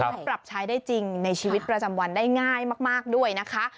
แล้วปรับใช้ได้จริงในชีวิตประจำวันได้ง่ายมากด้วยนะคะ